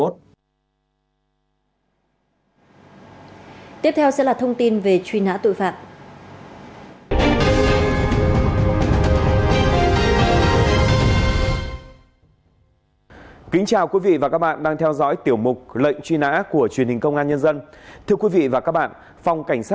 tiếp theo sẽ là thông tin về truy nã tội phạm